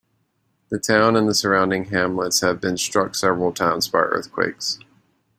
The town and the surrounding hamlets have been struck several times by earthquakes.